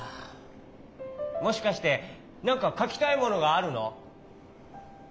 もしかしてなんかかきたいものがあるの？